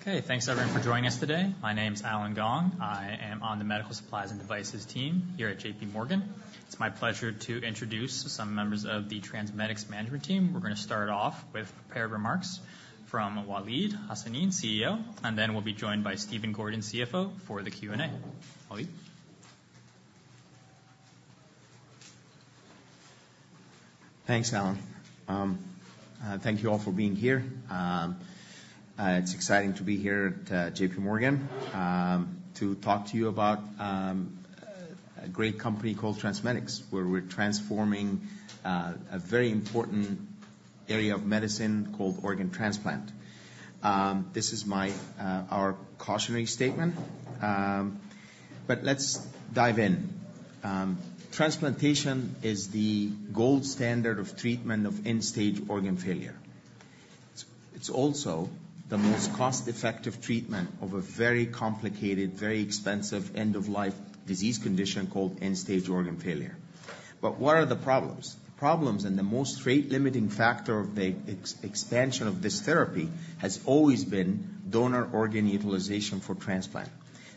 Okay, thanks everyone for joining us today. My name's Allen Gong. I am on the Medical Supplies and Devices team here at J.P. Morgan. It's my pleasure to introduce some members of the TransMedics management team. We're gonna start off with prepared remarks from Waleed Hassanein, CEO, and then we'll be joined by Stephen Gordon, CFO, for the Q&A. Waleed? Thanks, Allen. Thank you all for being here. It's exciting to be here at J.P. Morgan to talk to you about a great company called TransMedics, where we're transforming a very important area of medicine called organ transplant. This is our cautionary statement. But let's dive in. Transplantation is the gold standard of treatment of end-stage organ failure. It's also the most cost-effective treatment of a very complicated, very expensive end-of-life disease condition called end-stage organ failure. But what are the problems? The problems and the most rate-limiting factor of the expansion of this therapy has always been donor organ utilization for transplant.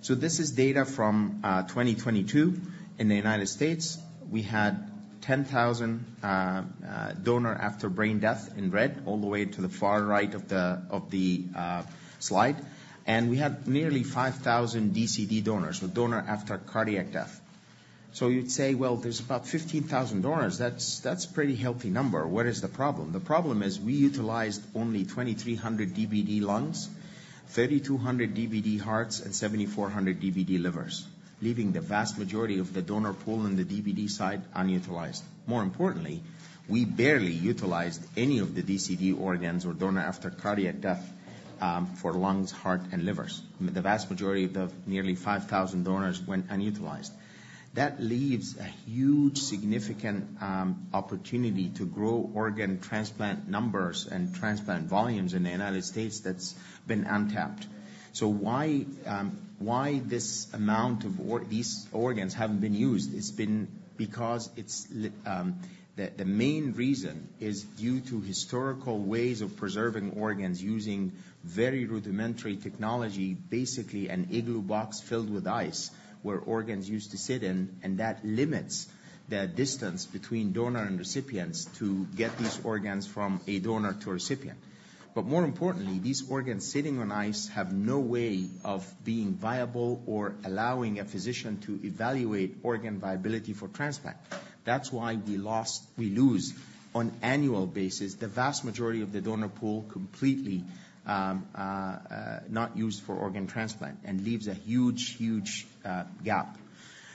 So, this is data from 2022. In the United States, we had 10,000 donors after brain death in red, all the way to the far right of the slide. And we had nearly 5,000 DCD donors, so donor after cardiac death. So, you'd say, "Well, there's about 15,000 donors. That's a pretty healthy number. What is the problem?" The problem is we utilized only 2,300 DBD lungs, 3,200 DBD hearts, and 7,400 DBD livers, leaving the vast majority of the donor pool in the DBD side unutilized. More importantly, we barely utilized any of the DCD organs or donor after cardiac death for lungs, heart, and livers. The vast majority of the nearly 5,000 donors went unutilized. That leaves a huge, significant opportunity to grow organ transplant numbers and transplant volumes in the United States that's been untapped. So why this amount of these organs haven't been used? It's been because the main reason is due to historical ways of preserving organs, using very rudimentary technology, basically an Igloo box filled with ice, where organs used to sit in, and that limits the distance between donor and recipients to get these organs from a donor to a recipient. But more importantly, these organs sitting on ice have no way of being viable or allowing a physician to evaluate organ viability for transplant. That's why we lose, on an annual basis, the vast majority of the donor pool completely not used for organ transplant and leaves a huge, huge gap.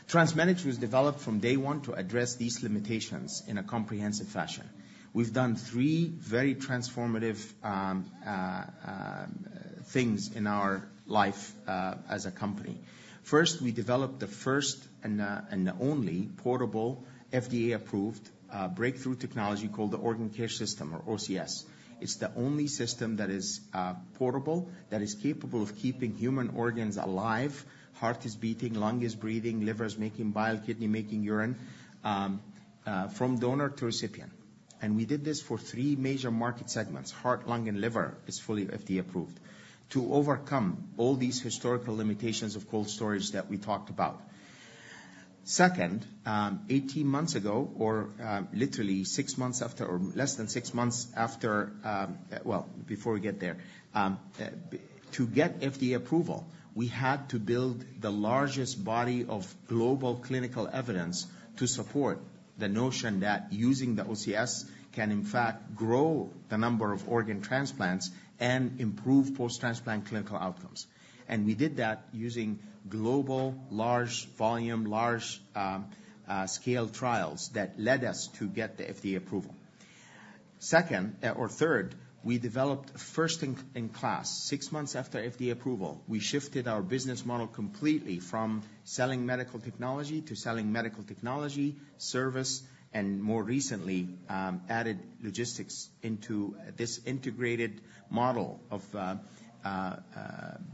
TransMedics was developed from day one to address these limitations in a comprehensive fashion. We've done three very transformative things in our life as a company. First, we developed the first and only portable, FDA-approved breakthrough technology called the Organ Care System or OCS. It's the only system that is portable that is capable of keeping human organs alive. Heart is beating, lung is breathing, liver is making bile, kidney making urine from donor to recipient. And we did this for three major market segments. Heart, lung, and liver is fully FDA approved to overcome all these historical limitations cold storage that we talked about. Second, 18 months ago or literally 6 months after or less than 6 months after... Well, before we get there, to get FDA approval, we had to build the largest body of global clinical evidence to support the notion that using the OCS can, in fact, grow the number of organ transplants and improve post-transplant clinical outcomes. We did that using global, large volume, large scale trials that led us to get the FDA approval. Second, or third, we developed first in class. Six months after FDA approval, we shifted our business model completely from selling medical technology to selling medical technology, service, and more recently, added logistics into this integrated model of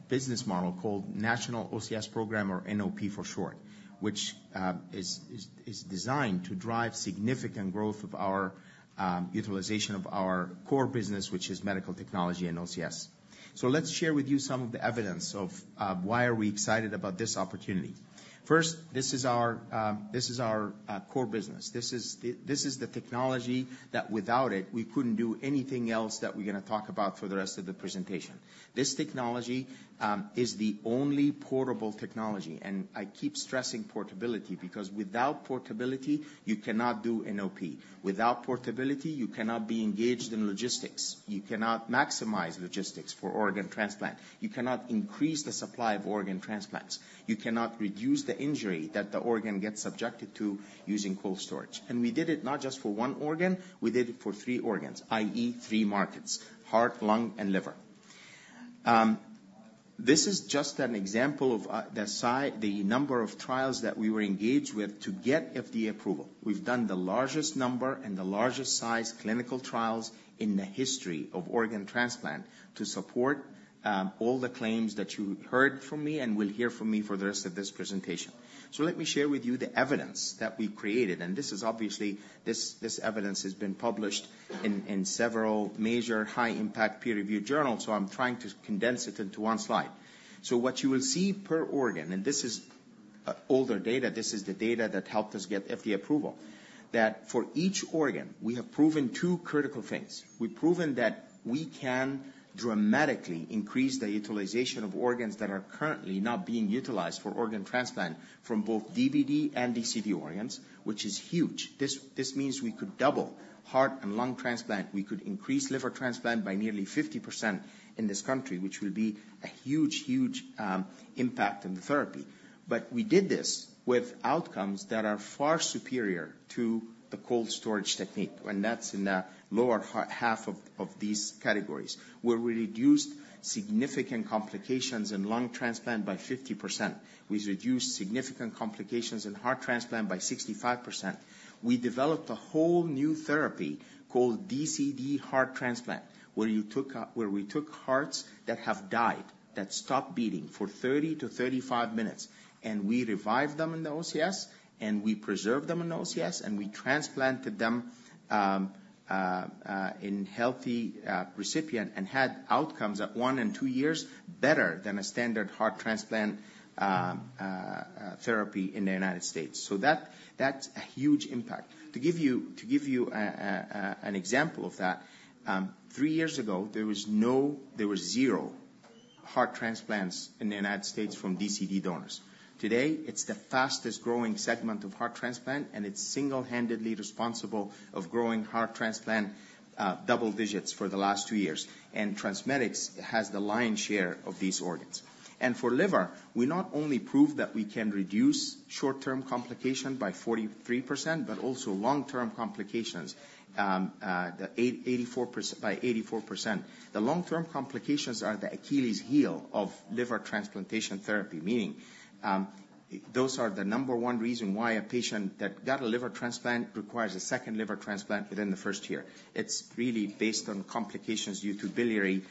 business model called National OCS Program, or NOP for short, which is designed to drive significant growth of our utilization of our core business, which is medical technology and OCS. So let's share with you some of the evidence of why are we excited about this opportunity. First, this is our core business. This is the technology that without it, we couldn't do anything else that we're gonna talk about for the rest of the presentation. This technology is the only portable technology, and I keep stressing portability, because without portability, you cannot do NOP. Without portability, you cannot be engaged in logistics. You cannot maximize logistics for organ transplant. You cannot increase the supply of organ transplants. You cannot reduce the injury that the organ gets subjected to cold storage. and we did it not just for one organ, we did it for three organs, i.e., three markets: heart, lung, and liver. This is just an example of the number of trials that we were engaged with to get FDA approval. We've done the largest number and the largest size clinical trials in the history of organ transplant to support all the claims that you heard from me and will hear from me for the rest of this presentation. So let me share with you the evidence that we created, and this is obviously this evidence has been published in several major high-impact peer-reviewed journals, so I'm trying to condense it into one slide. So what you will see per organ, and this is older data, this is the data that helped us get FDA approval, that for each organ, we have proven two critical things. We've proven that we can dramatically increase the utilization of organs that are currently not being utilized for organ transplant from both DBD and DCD organs, which is huge. This, this means we could double heart and lung transplant. We could increase liver transplant by nearly 50% in this country, which will be a huge, huge, impact in the therapy. But we did this with outcomes that are far superior to cold storage technique, and that's in the lower half of these categories, where we reduced significant complications in lung transplant by 50%. We reduced significant complications in heart transplant by 65%. We developed a whole new therapy called DCD heart transplant, where we took hearts that have died, that stopped beating for 30-35 minutes, and we revived them in the OCS, and we preserved them in the OCS, and we transplanted them in healthy recipient and had outcomes at 1 and 2 years better than a standard heart transplant therapy in the United States. So that's a huge impact. To give you an example of that, 3 years ago, there were zero heart transplants in the United States from DCD donors. Today, it's the fastest-growing segment of heart transplant, and it's single-handedly responsible of growing heart transplant double digits for the last 2 years, and TransMedics has the lion share of these organs. And for liver, we not only proved that we can reduce short-term complication by 43%, but also long-term complications by 84%. The long-term complications are the Achilles heel of liver transplantation therapy, meaning those are the number one reason why a patient that got a liver transplant requires a second liver transplant within the first year. It's really based on complications due to biliary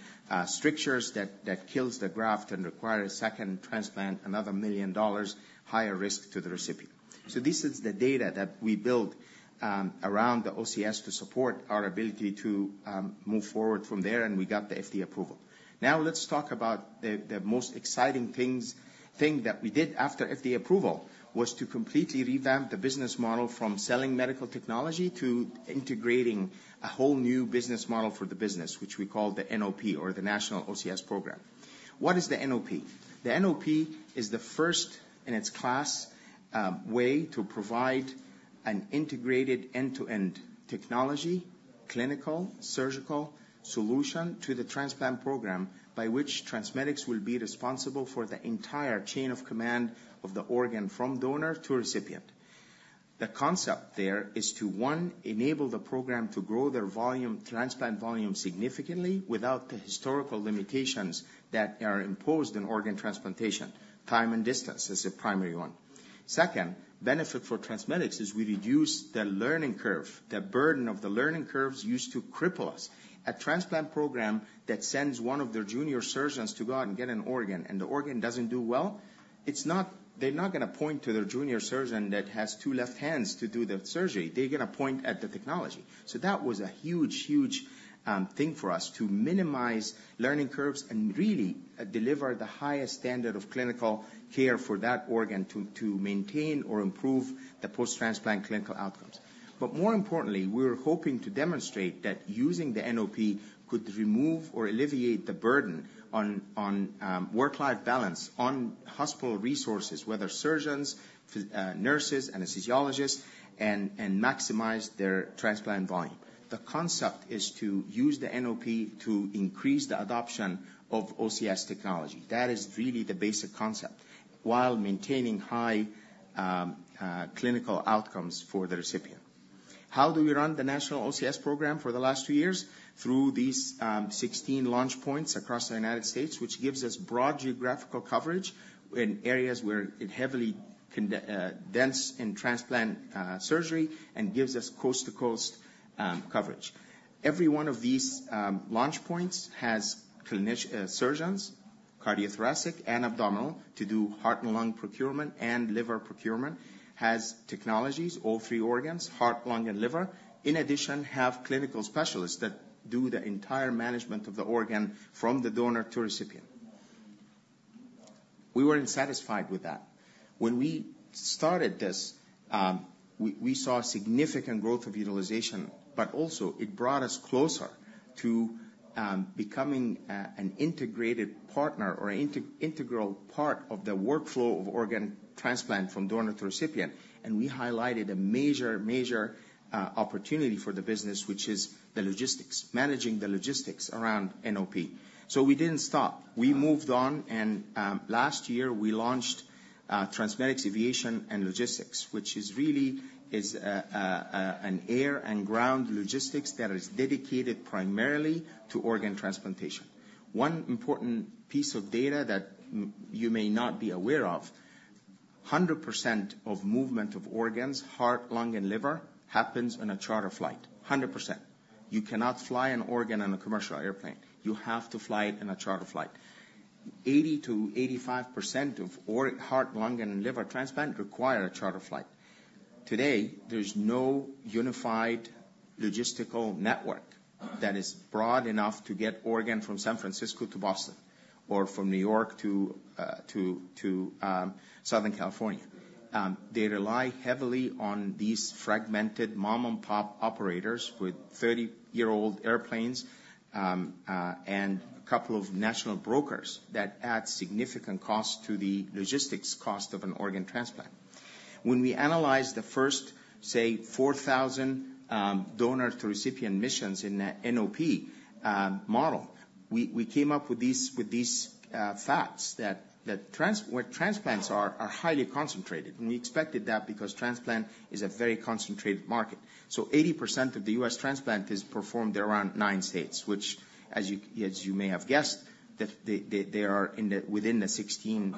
strictures that kills the graft and requires a second transplant, another $1 million, higher risk to the recipient. So this is the data that we built around the OCS to support our ability to move forward from there, and we got the FDA approval. Now, let's talk about the most exciting thing that we did after FDA approval, was to completely revamp the business model from selling medical technology to integrating a whole new business model for the business, which we call the NOP or the National OCS Program. What is the NOP? The NOP is the first in its class, way to provide an integrated end-to-end technology, clinical, surgical solution to the transplant program, by which TransMedics will be responsible for the entire chain of command of the organ from donor to recipient. The concept there is to, one, enable the program to grow their volume, transplant volume significantly without the historical limitations that are imposed in organ transplantation. Time and distance is a primary one. Second, benefit for TransMedics is we reduce the learning curve. The burden of the learning curves used to cripple us. A transplant program that sends one of their junior surgeons to go out and get an organ, and the organ doesn't do well, it's not, they're not gonna point to their junior surgeon that has two left hands to do the surgery. They're gonna point at the technology. So that was a huge, huge thing for us to minimize learning curves and really deliver the highest standard of clinical care for that organ to maintain or improve the post-transplant clinical outcomes. But more importantly, we were hoping to demonstrate that using the NOP could remove or alleviate the burden on work-life balance, on hospital resources, whether surgeons, nurses, anesthesiologists, and maximize their transplant volume. The concept is to use the NOP to increase the adoption of OCS technology. That is really the basic concept, while maintaining high clinical outcomes for the recipient. How do we run the National OCS Program for the last two years? Through these 16 launch points across the United States, which gives us broad geographical coverage in areas where it heavily dense in transplant surgery and gives us coast-to-coast coverage. Every one of these launch points has surgeons, cardiothoracic and abdominal, to do heart and lung procurement and liver procurement, has technologies, all three organs, heart, lung, and liver. In addition, have clinical specialists that do the entire management of the organ from the donor to recipient. We weren't satisfied with that. When we started this, we saw significant growth of utilization, but also it brought us closer to becoming an integrated partner or integral part of the workflow of organ transplant from donor to recipient. We highlighted a major, major opportunity for the business, which is the logistics, managing the logistics around NOP. We didn't stop. We moved on, and last year we launched TransMedics Aviation and Logistics, which is really an air and ground logistics that is dedicated primarily to organ transplantation. One important piece of data that you may not be aware of: 100% of movement of organs, heart, lung, and liver, happens in a charter flight. 100%. You cannot fly an organ on a commercial airplane. You have to fly it in a charter flight. 80%-85% of heart, lung, and liver transplant require a charter flight. Today, there's no unified logistical network that is broad enough to get organ from San Francisco to Boston or from New York to Southern California. They rely heavily on these fragmented mom-and-pop operators with 30-year-old airplanes and a couple of national brokers that add significant cost to the logistics cost of an organ transplant. When we analyzed the first, say, 4,000 donor-to-recipient missions in the NOP model, we came up with these facts that transplants are highly concentrated, and we expected that because transplant is a very concentrated market. So 80% of the U.S. transplant is performed around nine states, which, as you may have guessed, they are within the 16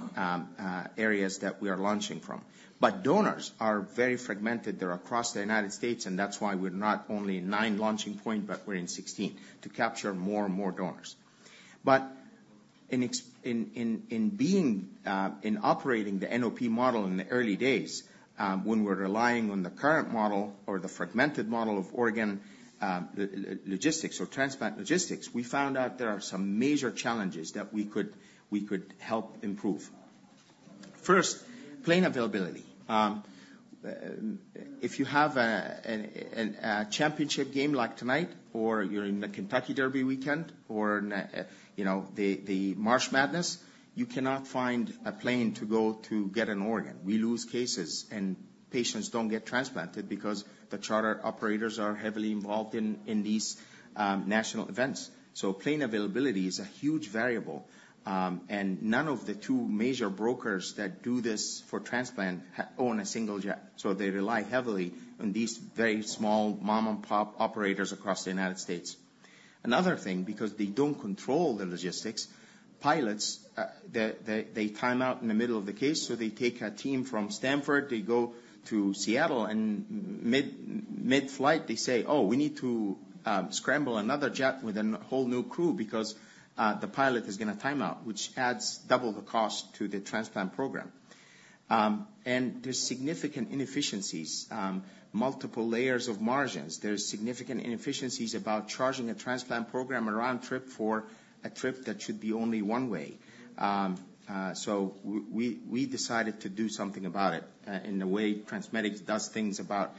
areas that we are launching from. But donors are very fragmented. They're across the United States, and that's why we're not only in nine launching point, but we're in 16, to capture more and more donors. But in operating the NOP model in the early days, when we're relying on the current model or the fragmented model of organ logistics or transplant logistics, we found out there are some major challenges that we could help improve. First, plane availability. If you have a championship game like tonight, or you're in the Kentucky Derby weekend or in a, you know, the March Madness, you cannot find a plane to go to get an organ. We lose cases, and patients don't get transplanted because the charter operators are heavily involved in these national events. So plane availability is a huge variable, and none of the two major brokers that do this for transplant own a single jet, so they rely heavily on these very small mom-and-pop operators across the United States. Another thing, because they don't control the logistics, pilots, they time out in the middle of the case, so they take a team from Stanford, they go to Seattle, and mid-flight, they say, "Oh, we need to scramble another jet with a whole new crew because the pilot is gonna time out," which adds double the cost to the transplant program. And there's significant inefficiencies, multiple layers of margins. There's significant inefficiencies about charging a transplant program a round trip for a trip that should be only one way. So we decided to do something about it, in the way TransMedics does things about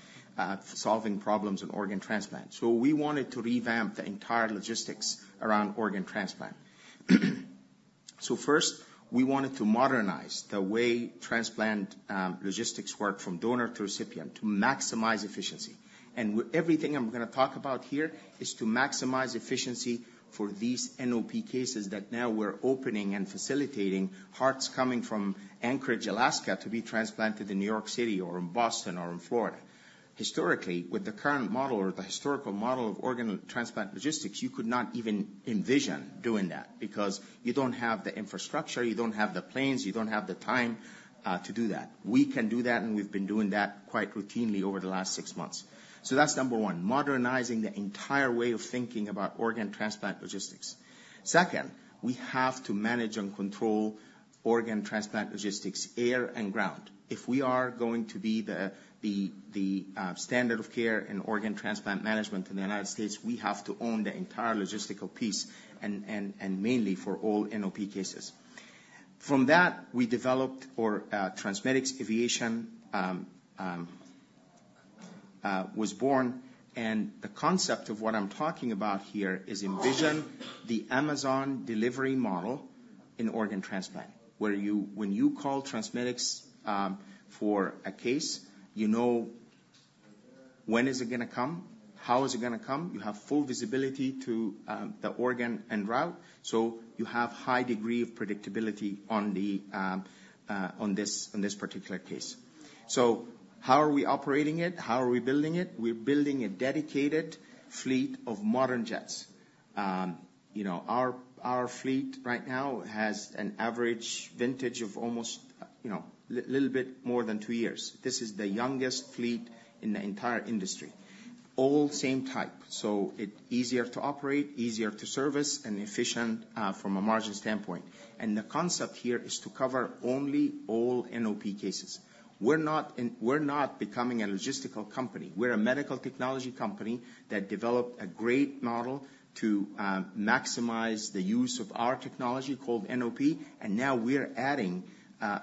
solving problems in organ transplant. So we wanted to revamp the entire logistics around organ transplant. So first, we wanted to modernize the way transplant logistics work from donor to recipient to maximize efficiency. And everything I'm gonna talk about here is to maximize efficiency for these NOP cases that now we're opening and facilitating hearts coming from Anchorage, Alaska, to be transplanted in New York City or in Boston or in Florida. Historically, with the current model or the historical model of organ transplant logistics, you could not even envision doing that because you don't have the infrastructure, you don't have the planes, you don't have the time to do that. We can do that, and we've been doing that quite routinely over the last six months. So that's number one, modernizing the entire way of thinking about organ transplant logistics. Second, we have to manage and control organ transplant logistics, air and ground. If we are going to be the standard of care in organ transplant management in the United States, we have to own the entire logistical piece, and mainly for all NOP cases. From that, we developed TransMedics Aviation was born, and the concept of what I'm talking about here is envision the Amazon delivery model in organ transplant, where you - when you call TransMedics, for a case, you know when is it gonna come, how is it gonna come. You have full visibility to the organ en route, so you have high degree of predictability on this particular case. So how are we operating it? How are we building it? We're building a dedicated fleet of modern jets. You know, our, our fleet right now has an average vintage of almost, you know, little bit more than 2 years. This is the youngest fleet in the entire industry. All same type, so it easier to operate, easier to service, and efficient from a margin standpoint. And the concept here is to cover only all NOP cases. We're not becoming a logistical company. We're a medical technology company that developed a great model to maximize the use of our technology called NOP, and now we're adding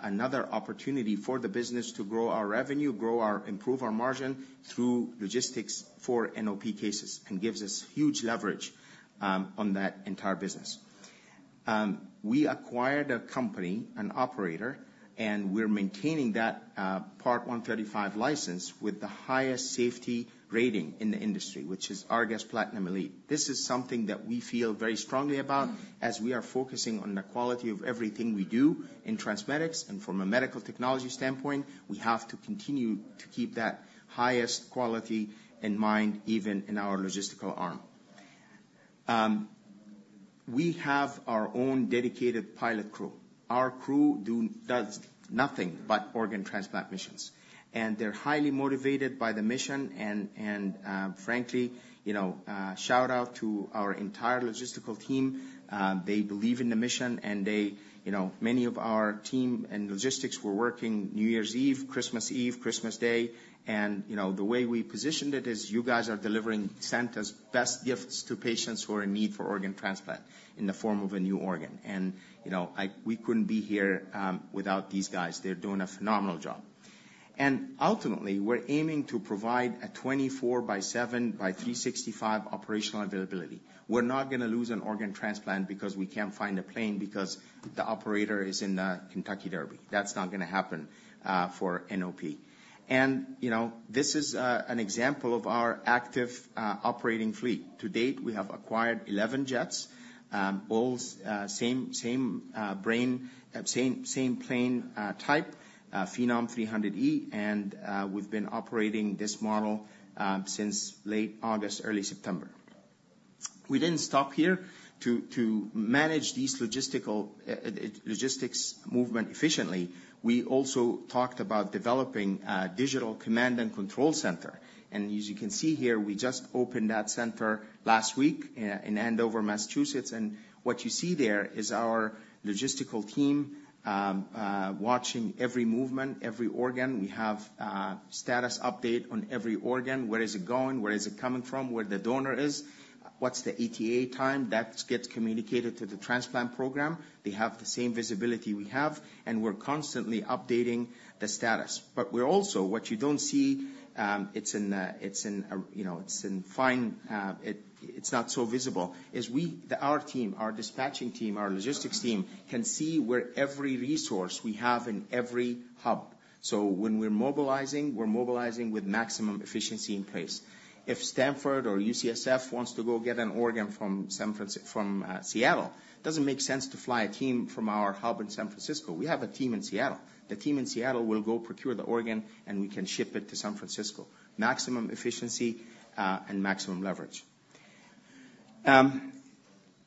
another opportunity for the business to grow our revenue, grow our—improve our margin through logistics for NOP cases, and gives us huge leverage on that entire business. We acquired a company, an operator, and we're maintaining that Part 135 license with the highest safety rating in the industry, which is ARGUS Platinum Elite. This is something that we feel very strongly about, as we are focusing on the quality of everything we do in TransMedics. And from a medical technology standpoint, we have to continue to keep that highest quality in mind, even in our logistical arm... We have our own dedicated pilot crew. Our crew does nothing but organ transplant missions, and they're highly motivated by the mission, and frankly, you know, shout out to our entire logistical team. They believe in the mission, and you know, many of our team and logistics were working New Year's Eve, Christmas Eve, Christmas Day. You know, the way we positioned it is you guys are delivering Santa's best gifts to patients who are in need for organ transplant in the form of a new organ. You know, we couldn't be here without these guys. They're doing a phenomenal job. Ultimately, we're aiming to provide a 24/7/365 operational availability. We're not gonna lose an organ transplant because we can't find a plane because the operator is in the Kentucky Derby. That's not gonna happen for NOP. You know, this is an example of our active operating fleet. To date, we have acquired 11 jets, all the same brand, same plane type, Phenom 300E, and we've been operating this model since late August, early September. We didn't stop here. To manage these logistical, logistics movement efficiently, we also talked about developing a digital command and control center. As you can see here, we just opened that center last week in Andover, Massachusetts. What you see there is our logistical team, watching every movement, every organ. We have a status update on every organ. Where is it going? Where is it coming from? Where the donor is, what's the ETA time? That gets communicated to the transplant program. They have the same visibility we have, and we're constantly updating the status. But we're also... What you don't see, it's in the, it's in a, you know, it's in fine, it, it's not so visible, is we, our team, our dispatching team, our logistics team, can see where every resource we have in every hub. So when we're mobilizing, we're mobilizing with maximum efficiency in place. If Stanford or UCSF wants to go get an organ from Seattle, it doesn't make sense to fly a team from our hub in San Francisco. We have a team in Seattle. The team in Seattle will go procure the organ, and we can ship it to San Francisco. Maximum efficiency and maximum leverage.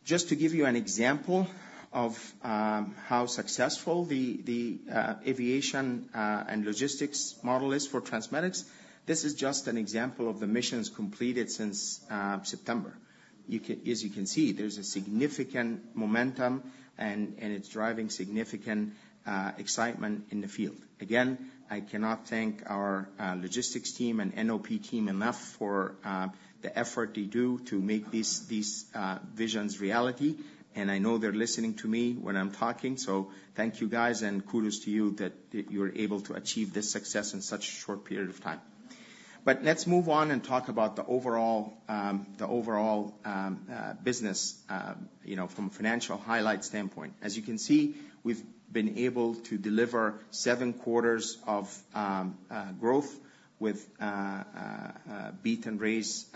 Just to give you an example of how successful the aviation and logistics model is for TransMedics, this is just an example of the missions completed since September. As you can see, there's a significant momentum, and it's driving significant excitement in the field. Again, I cannot thank our logistics team and NOP team enough for the effort they do to make these visions reality. I know they're listening to me when I'm talking, so thank you, guys, and kudos to you that you're able to achieve this success in such a short period of time. Let's move on and talk about the overall business, you know, from a financial highlight standpoint. As you can see, we've been able to deliver seven quarters of growth with beat and raise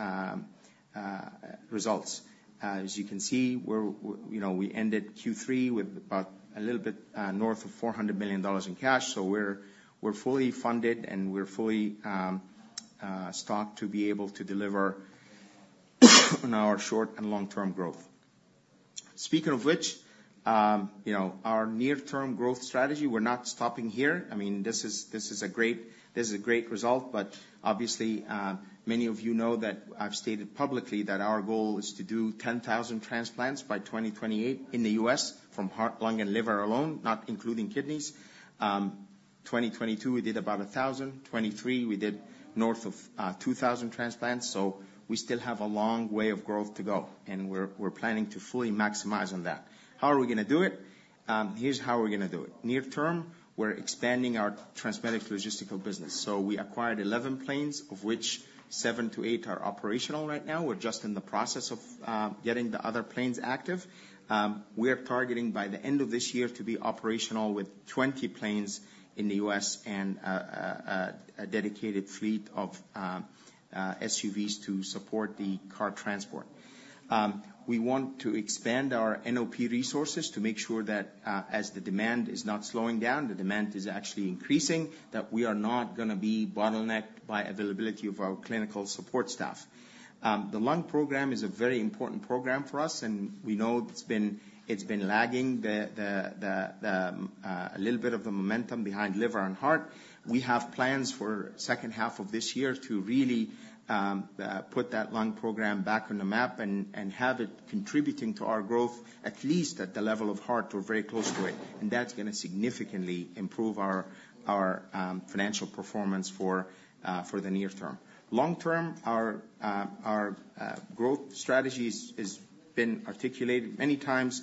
results. As you can see, we're, you know, we ended Q3 with about a little bit north of $400 million in cash. So we're, we're fully funded, and we're fully stocked to be able to deliver on our short and long-term growth. Speaking of which, you know, our near-term growth strategy, we're not stopping here. I mean, this is, this is a great, this is a great result, but obviously, many of you know that I've stated publicly that our goal is to do 10,000 transplants by 2028 in the U.S. from heart, lung, and liver alone, not including kidneys. Twenty twenty-two, we did about 1,000. Twenty-three, we did north of 2,000 transplants. So we still have a long way of growth to go, and we're, we're planning to fully maximize on that. How are we gonna do it? Here's how we're gonna do it. Near term, we're expanding our TransMedics logistical business. So we acquired 11 planes, of which 7-8 are operational right now. We're just in the process of getting the other planes active. We are targeting by the end of this year to be operational with 20 planes in the U.S. and a dedicated fleet of SUVs to support the car transport. We want to expand our NOP resources to make sure that as the demand is not slowing down, the demand is actually increasing, that we are not gonna be bottlenecked by availability of our clinical support staff. The lung program is a very important program for us, and we know it's been lagging a little bit behind the momentum behind liver and heart. We have plans for second half of this year to really put that lung program back on the map and have it contributing to our growth, at least at the level of heart or very close to it, and that's gonna significantly improve our financial performance for the near term. Long term, our growth strategy is, has been articulated many times.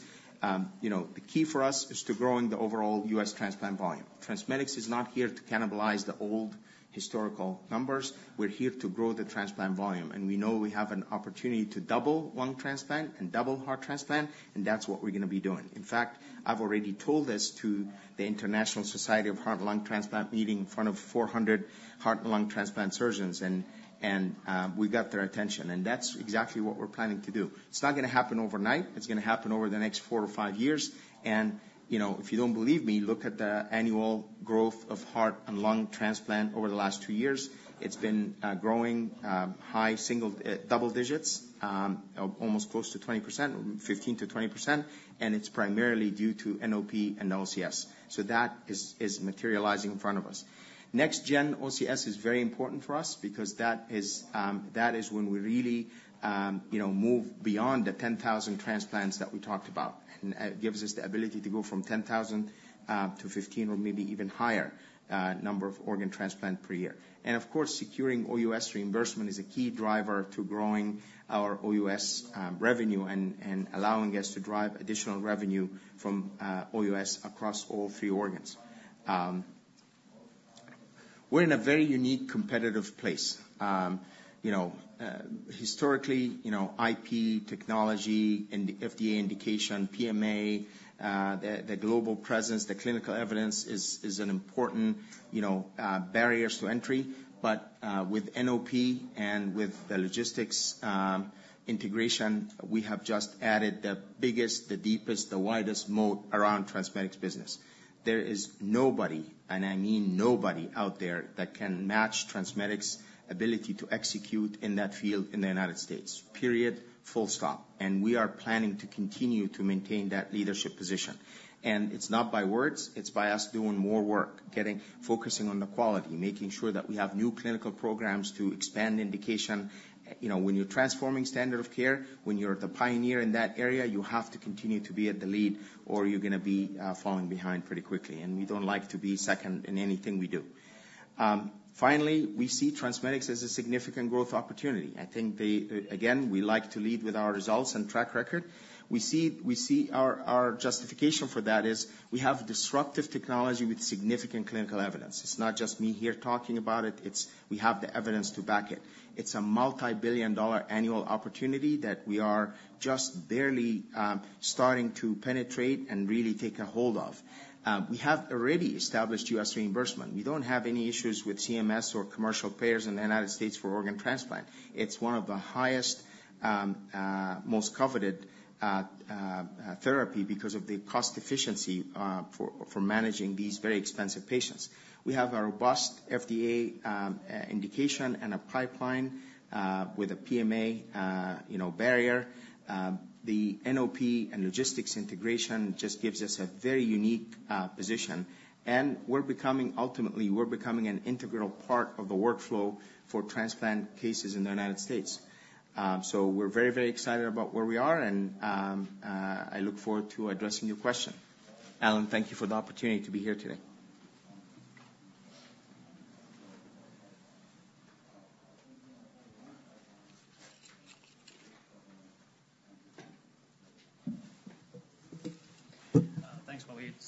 You know, the key for us is to growing the overall U.S. transplant volume. TransMedics is not here to cannibalize the old historical numbers. We're here to grow the transplant volume, and we know we have an opportunity to double lung transplant and double heart transplant, and that's what we're gonna be doing. In fact, I've already told this to the International Society for Heart and Lung Transplantation meeting in front of 400 heart and lung transplant surgeons, and we got their attention, and that's exactly what we're planning to do. It's not gonna happen overnight. It's gonna happen over the next 4 or 5 years. And, you know, if you don't believe me, look at the annual growth of heart and lung transplant over the last 2 years. It's been growing high single double digits almost close to 20%, 15%-20%, and it's primarily due to NOP and OCS. So that is materializing in front of us. Next gen OCS is very important for us because that is when we really, you know, move beyond the 10,000 transplants that we talked about. It gives us the ability to go from 10,000 to 15 or maybe even higher number of organ transplant per year. Of course, securing OUS reimbursement is a key driver to growing our OUS revenue and allowing us to drive additional revenue from OUS across all three organs. We're in a very unique, competitive place. You know, historically, you know, IP, technology, and the FDA indication, PMA, the global presence, the clinical evidence is an important you know barriers to entry. But, with NOP and with the logistics integration, we have just added the biggest, the deepest, the widest moat around TransMedics business. There is nobody, and I mean nobody, out there that can match TransMedics' ability to execute in that field in the United States, period, full stop. We are planning to continue to maintain that leadership position. It's not by words, it's by us doing more work, focusing on the quality, making sure that we have new clinical programs to expand indication. You know, when you're transforming standard of care, when you're the pioneer in that area, you have to continue to be at the lead, or you're gonna be falling behind pretty quickly, and we don't like to be second in anything we do. Finally, we see TransMedics as a significant growth opportunity. I think they, again, we like to lead with our results and track record. We see, we see our, our justification for that is, we have disruptive technology with significant clinical evidence. It's not just me here talking about it, it's we have the evidence to back it. It's a multibillion-dollar annual opportunity that we are just barely starting to penetrate and really take a hold of. We have already established U.S. reimbursement. We don't have any issues with CMS or commercial payers in the United States for organ transplant. It's one of the highest most coveted therapy because of the cost efficiency for managing these very expensive patients. We have a robust FDA indication and a pipeline with a PMA you know barrier. The NOP and logistics integration just gives us a very unique position, and we're becoming, ultimately, we're becoming an integral part of the workflow for transplant cases in the United States. So we're very, very excited about where we are, and I look forward to addressing your question. Allen, thank you for the opportunity to be here today.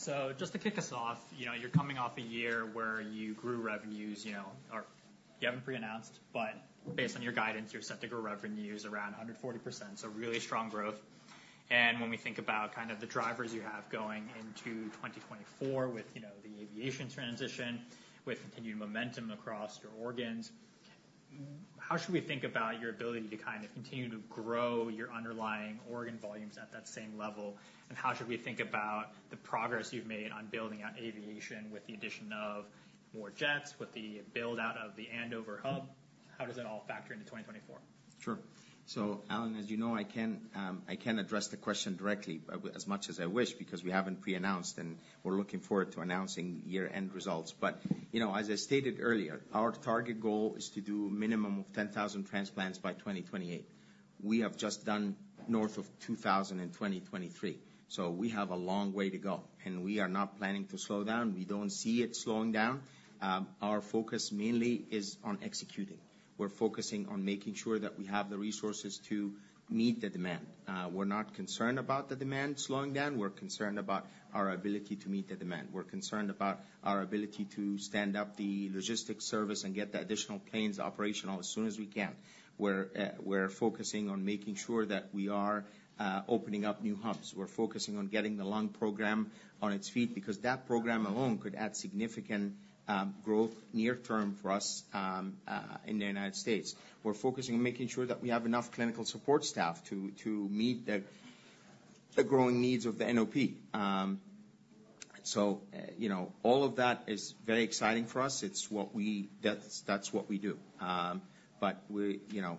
Thanks, Waleed. So just to kick us off, you know, you're coming off a year where you grew revenues, you know, or you haven't pre-announced, but based on your guidance, you're set to grow revenues around 140%, so really strong growth. And when we think about kind of the drivers you have going into 2024 with, you know, the aviation transition, with continued momentum across your organs, how should we think about your ability to kind of continue to grow your underlying organ volumes at that same level? And how should we think about the progress you've made on building out aviation, with the addition of more jets, with the build-out of the Andover hub? How does that all factor into 2024? Sure. So, Allen, as you know, I can't, I can't address the question directly, but as much as I wish, because we haven't pre-announced, and we're looking forward to announcing year-end results. But, you know, as I stated earlier, our target goal is to do a minimum of 10,000 transplants by 2028. We have just done north of 2,000 in 2023, so we have a long way to go, and we are not planning to slow down. We don't see it slowing down. Our focus mainly is on executing. We're focusing on making sure that we have the resources to meet the demand. We're not concerned about the demand slowing down. We're concerned about our ability to meet the demand. We're concerned about our ability to stand up the logistics service and get the additional planes operational as soon as we can. We're focusing on making sure that we are opening up new hubs. We're focusing on getting the lung program on its feet, because that program alone could add significant growth near term for us in the United States. We're focusing on making sure that we have enough clinical support staff to meet the growing needs of the NOP. So, you know, all of that is very exciting for us. It's what we-- That's what we do. But we... You know,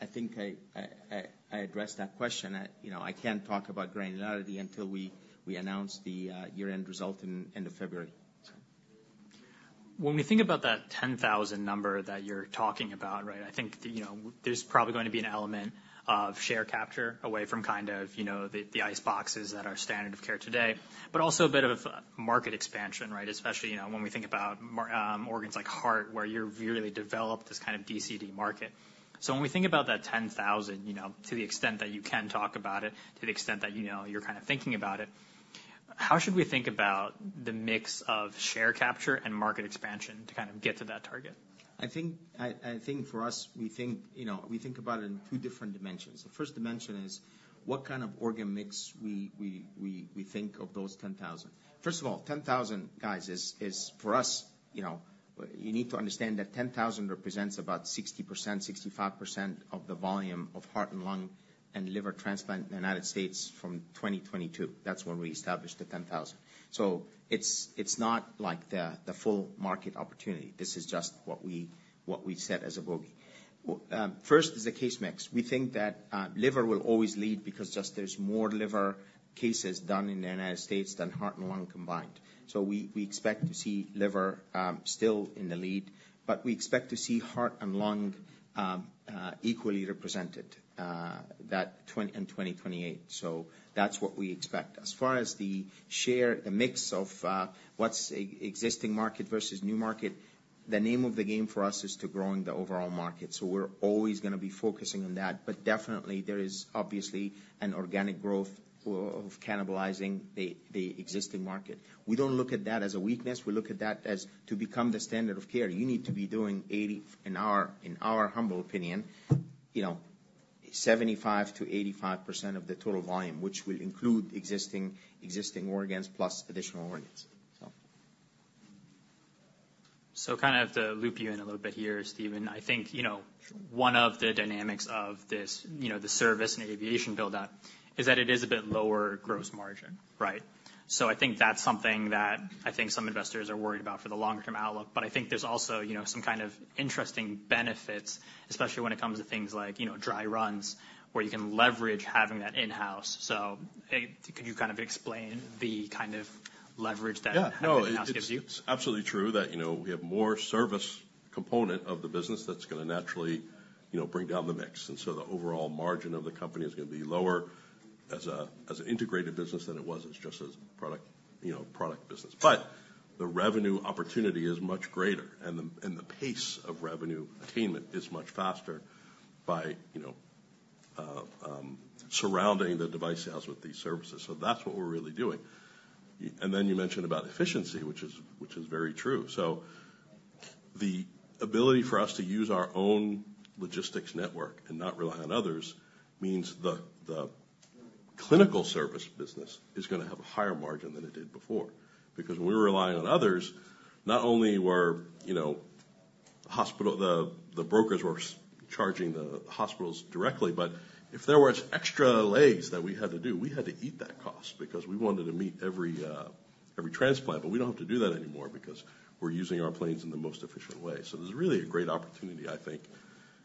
I think I addressed that question. You know, I can't talk about granularity until we announce the year-end result in end of February. When we think about that 10,000 number that you're talking about, right, I think that, you know, there's probably going to be an element of share capture away from kind of, you know, the, the ice boxes that are standard of care today, but also a bit of market expansion, right? Especially, you know, when we think about organs like heart, where you've really developed this kind of DCD market. So when we think about that 10,000, you know, to the extent that you can talk about it, to the extent that, you know, you're kind of thinking about it, how should we think about the mix of share capture and market expansion to kind of get to that target? I think for us, we think, you know, we think about it in two different dimensions. The first dimension is: What kind of organ mix we think of those 10,000? First of all, 10,000, guys, is for us, you know, you need to understand that 10,000 represents about 60%, 65% of the volume of heart and lung and liver transplant in the United States from 2022. That's when we established the 10,000. So it's not like the full market opportunity. This is just what we set as a bogey. First is the case mix. We think that liver will always lead because just there's more liver cases done in the United States than heart and lung combined. So we expect to see liver still in the lead, but we expect to see heart and lung equally represented in 2028. So that's what we expect. As far as the share, the mix of what's existing market versus new market? The name of the game for us is to growing the overall market, so we're always gonna be focusing on that. But definitely, there is obviously an organic growth of cannibalizing the existing market. We don't look at that as a weakness, we look at that as to become the standard of care. You need to be doing, in our humble opinion, you know, 75%-85% of the total volume, which will include existing organs plus additional organs. So. So kind of have to loop you in a little bit here, Stephen. I think, you know, one of the dynamics of this, you know, the service and aviation build-out, is that it is a bit lower gross margin, right? So I think that's something that I think some investors are worried about for the long-term outlook. But I think there's also, you know, some kind of interesting benefits, especially when it comes to things like, you know, dry runs, where you can leverage having that in-house. So, could you kind of explain the kind of leverage that- Yeah. Having in-house gives you? No, it's absolutely true that, you know, we have more service component of the business that's gonna naturally, you know, bring down the mix. And so the overall margin of the company is gonna be lower as an integrated business than it was, it's just as product, you know, product business. But the revenue opportunity is much greater, and the pace of revenue attainment is much faster by, you know, surrounding the device sales with these services. So that's what we're really doing. And then you mentioned about efficiency, which is very true. So the ability for us to use our own logistics network and not rely on others means the clinical service business is gonna have a higher margin than it did before. Because when we were relying on others, not only were, you know, hospitals, the brokers were charging the hospitals directly, but if there was extra legs that we had to do, we had to eat that cost, because we wanted to meet every transplant. But we don't have to do that anymore because we're using our planes in the most efficient way. So there's really a great opportunity, I think,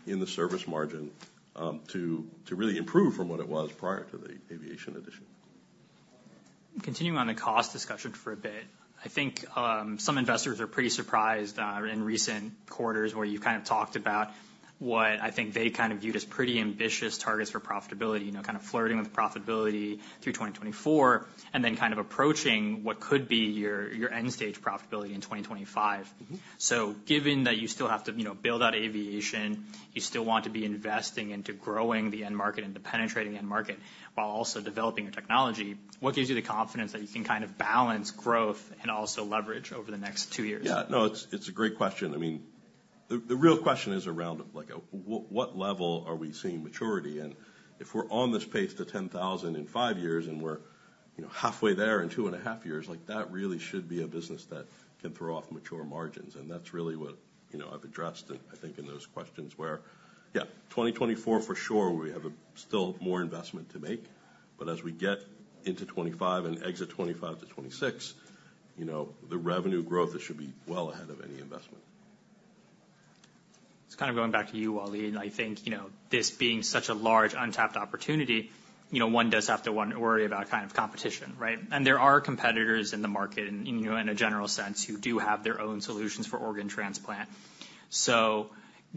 in the service margin to really improve from what it was prior to the aviation addition. Continuing on the cost discussion for a bit. I think, some investors are pretty surprised, in recent quarters, where you've kind of talked about what I think they kind of viewed as pretty ambitious targets for profitability. You know, kind of flirting with profitability through 2024, and then kind of approaching what could be your, your end-stage profitability in 2025. Mm-hmm. Given that you still have to, you know, build out aviation, you still want to be investing into growing the end market and the penetrating end market, while also developing your technology, what gives you the confidence that you can kind of balance growth and also leverage over the next two years? Yeah. No, it's, it's a great question. I mean, the, the real question is around, like, what level are we seeing maturity? And if we're on this pace to 10,000 in five years, and we're, you know, halfway there in 2.5 years, like, that really should be a business that can throw off mature margins. And that's really what, you know, I've addressed, I think, in those questions where... Yeah, 2024, for sure, we have, still more investment to make. But as we get into 2025 and exit 2025 to 2026, you know, the revenue growth should be well ahead of any investment. Just kind of going back to you, Waleed. I think, you know, this being such a large, untapped opportunity, you know, one does have to worry about kind of competition, right? And there are competitors in the market and, you know, in a general sense, who do have their own solutions for organ transplant. So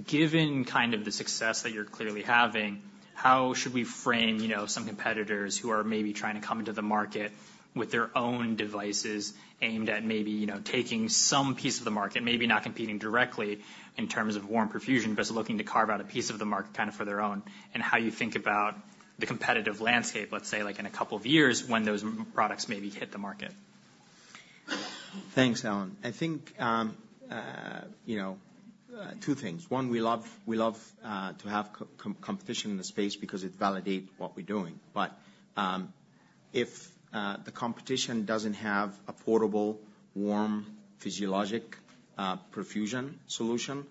given kind of the success that you're clearly having, how should we frame, you know, some competitors who are maybe trying to come into the market with their own devices, aimed at maybe, you know, taking some piece of the market, maybe not competing directly in terms of warm perfusion, but looking to carve out a piece of the market kind of for their own, and how you think about the competitive landscape, let's say, like, in a couple of years when those products maybe hit the market? Thanks, Allen. I think, you know, two things. One, we love, we love, to have competition in the space because it validates what we're doing. But if the competition doesn't have a portable, warm, physiologic, perfusion solution,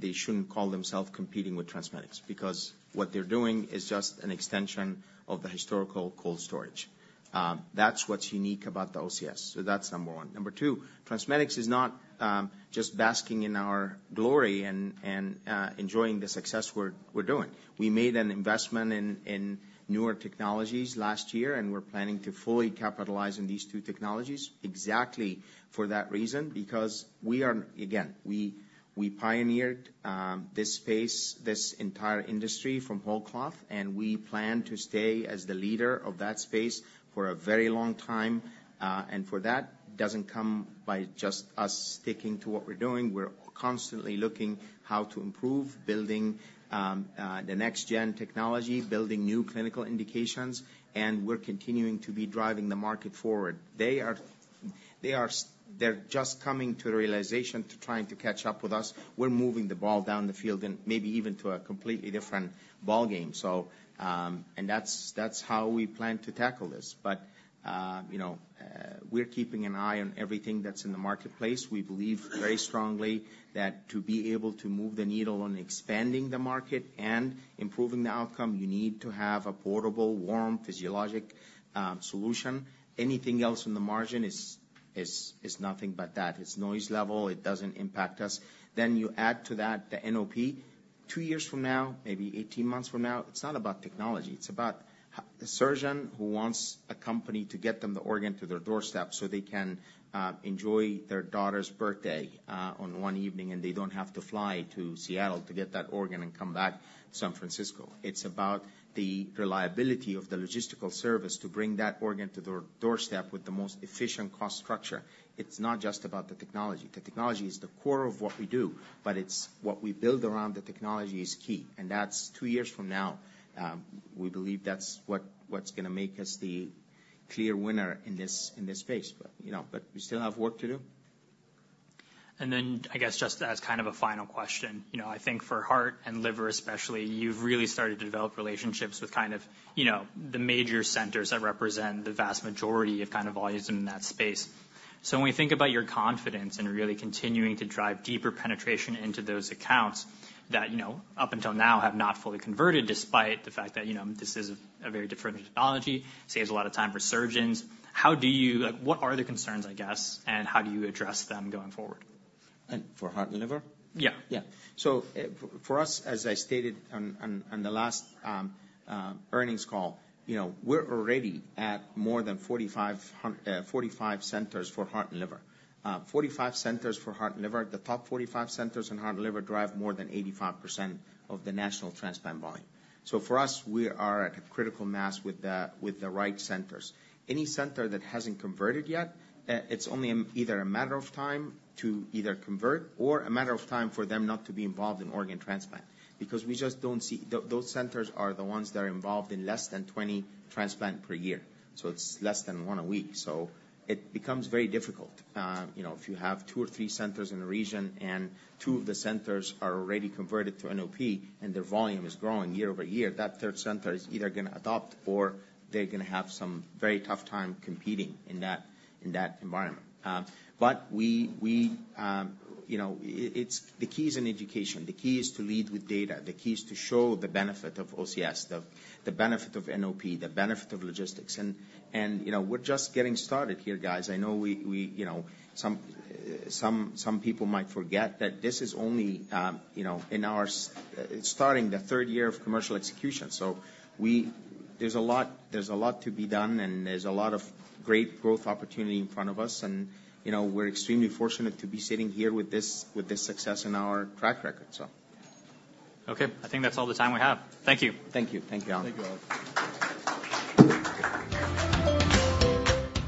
they shouldn't call themselves competing with TransMedics, because what they're doing is just an extension of the cold storage. that's what's unique about the OCS. So that's number one. Number two, TransMedics is not just basking in our glory and, and, enjoying the success we're, we're doing. We made an investment in newer technologies last year, and we're planning to fully capitalize on these two technologies exactly for that reason. Because we are again, we pioneered this space, this entire industry, from whole cloth, and we plan to stay as the leader of that space for a very long time. And for that, doesn't come by just us sticking to what we're doing. We're constantly looking how to improve, building the next-gen technology, building new clinical indications, and we're continuing to be driving the market forward. They're just coming to the realization, to trying to catch up with us. We're moving the ball down the field and maybe even to a completely different ballgame. So And that's, that's how we plan to tackle this. But you know, we're keeping an eye on everything that's in the marketplace. We believe very strongly that to be able to move the needle on expanding the market and improving the outcome, you need to have a portable, warm, physiologic, solution. Anything else on the margin is nothing but that. It's noise level. It doesn't impact us. Then you add to that the NOP. 2 years from now, maybe 18 months from now, it's not about technology, it's about a surgeon who wants a company to get them the organ to their doorstep so they can enjoy their daughter's birthday on one evening, and they don't have to fly to Seattle to get that organ and come back to San Francisco. It's about the reliability of the logistical service to bring that organ to their doorstep with the most efficient cost structure. It's not just about the technology. The technology is the core of what we do, but it's what we build around the technology is key, and that's two years from now. We believe that's what's gonna make us the clear winner in this, in this space. But, you know, but we still have work to do. ...Then, I guess, just as kind of a final question, you know, I think for heart and liver especially, you've really started to develop relationships with kind of, you know, the major centers that represent the vast majority of kind of volumes in that space. So when we think about your confidence in really continuing to drive deeper penetration into those accounts, that, you know, up until now, have not fully converted, despite the fact that, you know, this is a very different technology, saves a lot of time for surgeons. How do you, like, what are the concerns, I guess, and how do you address them going forward? For heart and liver? Yeah. Yeah. So for us, as I stated on the last earnings call, you know, we're already at more than 45 centers for heart and liver. 45 centers for heart and liver, the top 45 centers in heart and liver drive more than 85% of the national transplant volume. So for us, we are at a critical mass with the right centers. Any center that hasn't converted yet, it's only either a matter of time to either convert or a matter of time for them not to be involved in organ transplant, because we just don't see. Those centers are the ones that are involved in less than 20 transplant per year, so it's less than one a week, so it becomes very difficult. You know, if you have two or three centers in a region, and two of the centers are already converted to NOP, and their volume is growing year-over-year, that third center is either gonna adopt or they're gonna have some very tough time competing in that environment. But, you know, the key is in education. The key is to lead with data. The key is to show the benefit of OCS, the benefit of NOP, the benefit of logistics. And, you know, we're just getting started here, guys. I know, you know, some people might forget that this is only, you know, in our starting the third year of commercial execution. So there's a lot, there's a lot to be done, and there's a lot of great growth opportunity in front of us. And, you know, we're extremely fortunate to be sitting here with this, with this success in our track record, so. Okay. I think that's all the time we have. Thank you. Thank you. Thank you, Allen. Thank you, Allen.